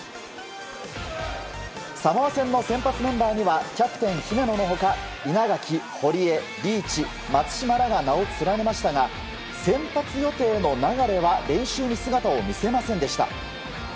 サモア戦の先発メンバーにはキャプテン、姫野の他稲垣、堀江、リーチ松島らが名を連ねましたが先発予定の流は練習に姿を見せませんでした。